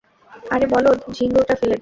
আরে বলদ, ঝিঙ্গুরটা ফেলে দে।